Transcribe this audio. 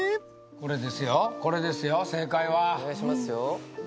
これですよこれですよ正解はお願いしますよ